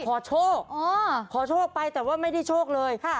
ขอโชคขอโชคไปแต่ว่าไม่ได้โชคเลยค่ะ